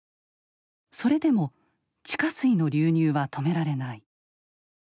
それでも地下水の流入は止められない。